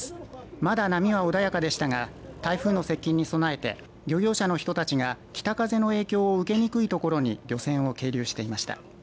まだ波は穏やかでしたが台風の接近に備えて漁業者の人たちが、北風の影響を受けにくい所に漁船を係留していました。